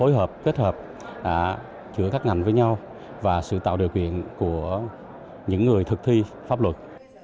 phối hợp kết hợp giữa các ngành với nhau và sự tạo điều kiện của những người thực thi pháp luật